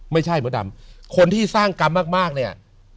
ไม่ใช่มดดำคนที่สร้างกรรมมากเนี่ย